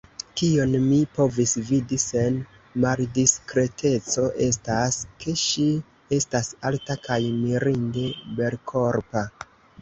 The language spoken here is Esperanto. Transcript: Kion mi povis vidi sen maldiskreteco, estas, ke ŝi estas alta kaj mirinde belkorpa.